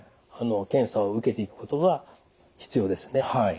検査を受けていくことが必要ですね。